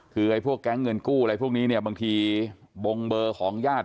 คือพวกแก๊งเงินกู้อะไรพวกนี้บางที่บ่งเบอร์ของญาติ